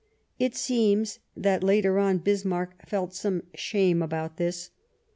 It seems that, later on, Bismarck felt some shame about this.